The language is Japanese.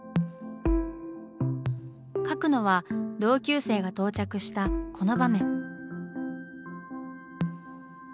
描くのは同級生が到着したこの場面。